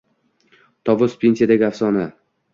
Tovus – pensiyadagi afsona.